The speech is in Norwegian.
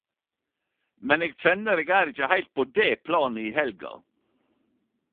Men eg kjenner eg er ikkje heilt på det planet i helga.